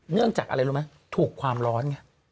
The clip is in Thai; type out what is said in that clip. เนื่องจากอะไรรู้ไหมถูกความร้อนไง